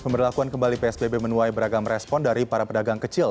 pemberlakuan kembali psbb menuai beragam respon dari para pedagang kecil